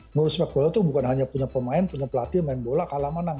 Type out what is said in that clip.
menurut sepak bola itu bukan hanya punya pemain punya pelatih main bola kalah menang